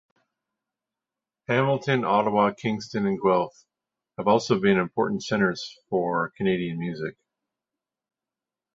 Hamilton, Ottawa, Kingston and Guelph have also been important centres for Canadian music.